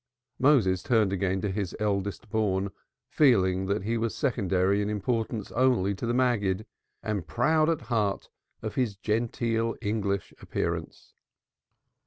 Moses turned again to his eldest born, feeling that he was secondary in importance only to the Maggid, and proud at heart of his genteel English appearance.